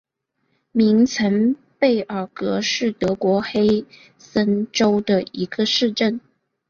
明岑贝尔格是德国黑森州的一个市镇。